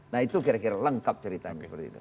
nah itu kira kira lengkap ceritanya